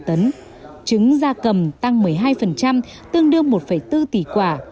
trứng da cầm tăng một mươi hai tương đương một bốn tỷ quả